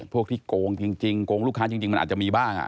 พวกที่โกงจริงโกงลูกค้าจริงมันอาจจะมีบ้าง